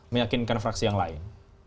meyakinkan fraksi yang lain